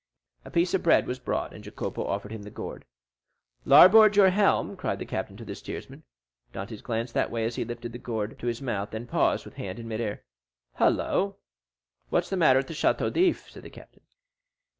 A piece of bread was brought, and Jacopo offered him the gourd. "Larboard your helm," cried the captain to the steersman. Dantès glanced that way as he lifted the gourd to his mouth; then paused with hand in mid air. "Hollo! what's the matter at the Château d'If?" said the captain.